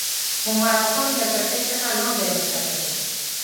عمرا خان له کړکۍ څخه لاندې راکښته شو.